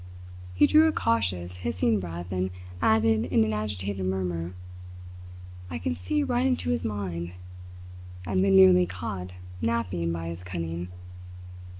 He drew a cautious, hissing breath and added in an agitated murmur: "I can see right into his mind, I have been nearly caught napping by his cunning."